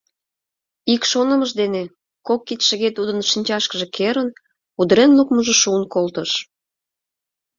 Ик шонымыж дене, кок кидшыге тудын шинчашкыже керын, удырен лукмыжо шуын колтыш.